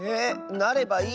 なればいい？